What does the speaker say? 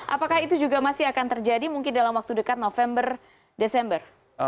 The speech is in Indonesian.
apakah itu juga masih akan terjadi mungkin dalam waktu dekat november desember